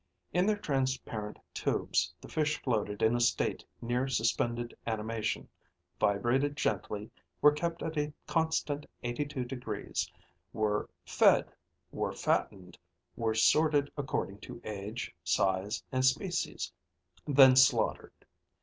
In their transparent tubes, the fish floated in a state near suspended animation, vibrated gently, were kept at a constant 82°, were fed, were fattened, were sorted according to age, size, and species; then slaughtered.